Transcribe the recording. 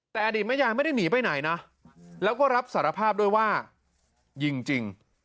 แต่อดีตแม่ยายไม่ได้หนีไปไหนนะแล้วก็รับสารภาพด้วยว่ายิงจริง